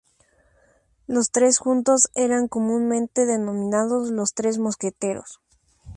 Los tres juntos eran comúnmente denominados "Los Tres Mosqueteros".